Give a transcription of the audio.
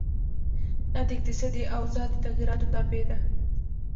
دا د اقتصادي اوضاع د تغیراتو تابع ده.